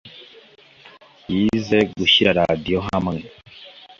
Yize gushyira radio hamwe.